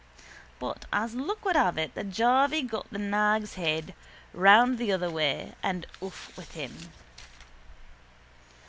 But as luck would have it the jarvey got the nag's head round the other way and off with him.